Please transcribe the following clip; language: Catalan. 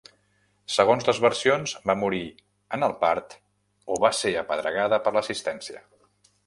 Segons les versions va morir en el part o va ser apedregada per l'assistència.